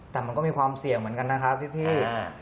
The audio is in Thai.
แต่มันก็มีความเสี่ยงเหมือนกันนะครับพี่